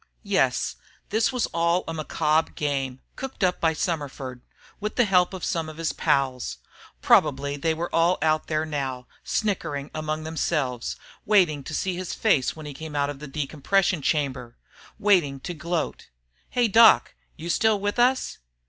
Yes, this was all a macabre game cooked up by Summerford, with the help of some of his pals. Probably they were all out there now, snickering among themselves, waiting to see his face when he came out of the decompression chamber ... waiting to gloat.... "Hey Doc! You still with us?"